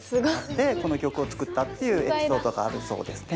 でこの曲を作ったっていうエピソードがあるそうですね。